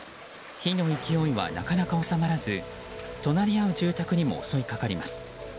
火の勢いはなかなか収まらず隣り合う住宅にも襲いかかります。